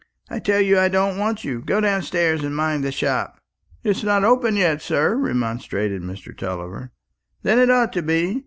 "I tell you I don't want you. Go downstairs and mind the shop." "It's not open yet, sir," remonstrated Mr. Tulliver. "Then it ought to be.